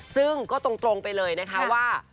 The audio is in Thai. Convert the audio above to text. ซึ่งก็ตรงไปเลยนะคะว่า